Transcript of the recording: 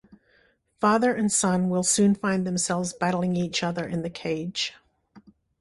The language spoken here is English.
Father and son will soon find themselves battling each other in the cage.